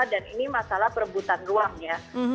dan ini masalah perebutan ruang ya